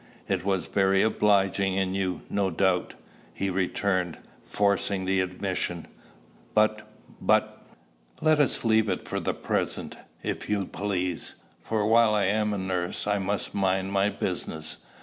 "It was very obliging in you, no doubt," he returned, forcing the admission; "but but" "Let us leave it for the present, if you please; for while I am nurse, I must mind my business.